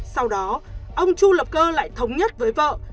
sau đó ông chu lập cơ lại thống nhất với vợ